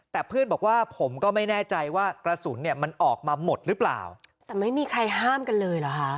แต่เพื่อนบอกว่าผมก็ไม่แน่ใจว่ากระสุนเนี่ยมันออกมาหมดหรือเปล่าแต่ไม่มีใครห้ามกันเลยเหรอคะ